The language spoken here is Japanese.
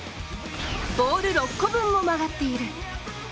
ボール６個分も曲がっている。